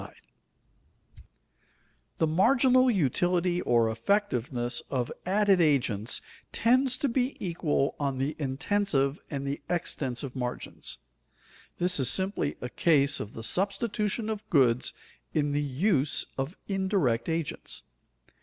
[Sidenote: Equilibrium of the two margins] The marginal utility or effectiveness of added agents tends to be equal on the intensive and the extensive margins. This is simply a case of the substitution of goods in the use of indirect agents.